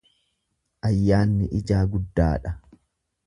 Ayyaanni ijaa guddaadha.